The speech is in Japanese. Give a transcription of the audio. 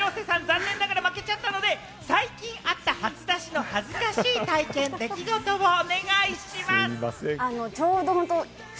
広瀬さん、残念ながら負けちゃったので、最近あった初出しの恥ずかしい体験、出来事をお願いします。